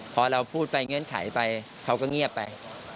พอเราพูดไปเงื่อนไขไปเขาก็เงียบไป